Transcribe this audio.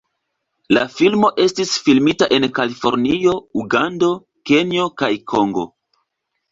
La filmo estis filmita en Kalifornio, Ugando, Kenjo kaj Kongo.